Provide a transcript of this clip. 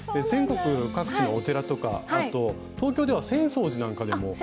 全国各地のお寺とかあと東京では浅草寺なんかでも。